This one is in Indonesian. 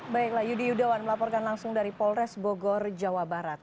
baiklah yudi yudawan melaporkan langsung dari polres bogor jawa barat